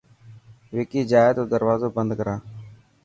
وڪي جائي تو دروازو بند ڪران.